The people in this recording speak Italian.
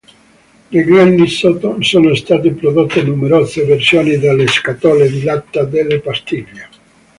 Negli anni sono state prodotte numerose versioni delle scatole di latta delle pastiglie.